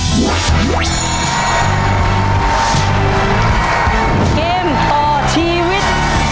เกมต่อชีวิต